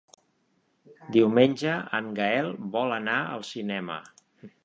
Diumenge en Gaël vol anar al cinema.